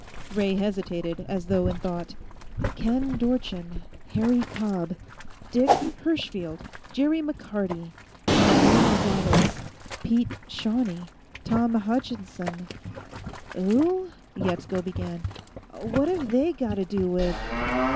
Ray hesitated, as though in thought. "Ken Dorchin; Harry Cobb; Dick Hirschfield; Jerry McCarty; Ramon Nogales; Pete Shawne; Tom Hutchinson " "Who ?" Yetsko began. "What've they gotta do with